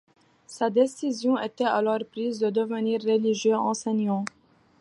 Sa décision était alors prise de devenir religieux enseignant.